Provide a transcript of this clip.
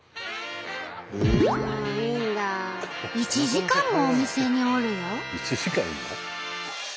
１時間もお店におるよ。